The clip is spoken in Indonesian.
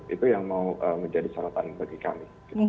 itu yang mau menjadi sorotan bagi kami